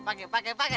pakai pakai pakai